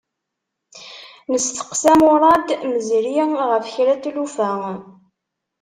Nesteqsa Murad Mezri ɣef kra n tlufa.